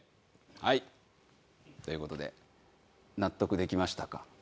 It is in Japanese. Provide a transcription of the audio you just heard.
はいという事で納得できましたか？